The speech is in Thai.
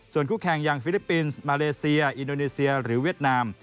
ส่วนคู่แข่งอย่างฟิลิปปินส์มาเลเซียอินโดนีเซียหรือเวียดนาม